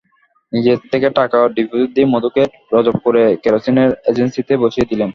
নিজের থেকে টাকা ডিপজিট দিয়ে মধুকে রজবপুরে কেরোসিনের এজেন্সিতে বসিয়ে দিলেন।